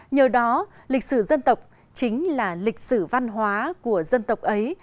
nhờ đó lịch sử dân tộc chính là lịch sử văn hóa của dân tộc ấy